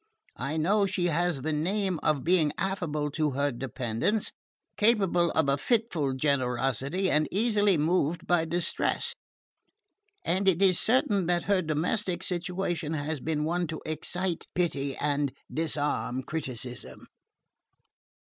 I know she has the name of being affable to her dependents, capable of a fitful generosity, and easily moved by distress; and it is certain that her domestic situation has been one to excite pity and disarm criticism.